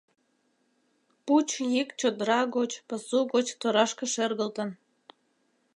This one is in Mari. Пуч йӱк чодыра гоч, пасу гоч торашке шергылтын.